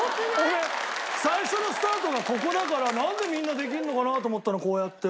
俺最初のスタートがここだからなんでみんなできるのかな？と思ったのこうやって。